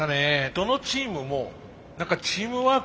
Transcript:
どのチームも何かチームワークがすごい。